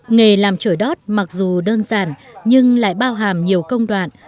nghề làm chổi đót mặc dù đơn giản nhưng lại bao hàm nhiều công đoạn